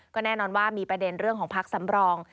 ก็แน่นอนว่ามีประเด็นเรื่องของพักสำรอง